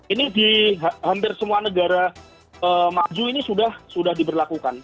ini di hampir semua negara maju ini sudah diberlakukan